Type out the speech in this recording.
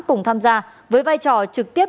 cùng tham gia với vai trò trực tiếp